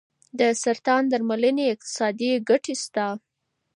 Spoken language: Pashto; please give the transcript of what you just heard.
د سرطان درملنې اقتصادي ګټې شته.